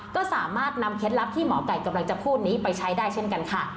ก็สามารถนำเคล็ดลับที่หมอไก่กำลังจะพูดนี้ไปใช้ได้เช่นกันค่ะ